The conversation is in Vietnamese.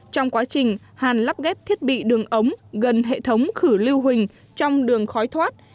trong quá trình hàn lắp ghép thiết bị đường ống gần hệ thống khử lưu hình trong đường khói thoát